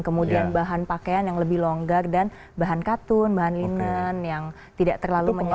kemudian bahan pakaian yang lebih longgar dan bahan katun bahan linen yang tidak terlalu menyasar